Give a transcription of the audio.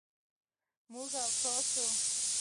موږ و تاسې